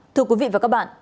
thưa quý vị và các bạn